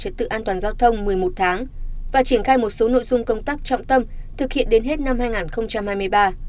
công an thành phố hồ chí minh đảm bảo chất tự an toàn giao thông một mươi một tháng và triển khai một số nội dung công tác trọng tâm thực hiện đến hết năm hai nghìn hai mươi ba